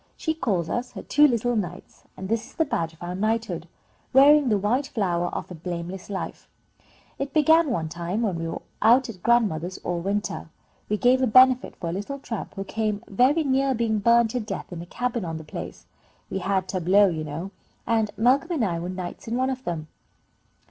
She calls us her two little knights, and this is the badge of our knighthood, 'wearing the white flower of a blameless life,' It began one time when we were out at grandmother's all winter. We gave a benefit for a little tramp, who came very near being burned to death in a cabin on the place. We had tableaux, you know, and Malcolm and I were knights in one of them."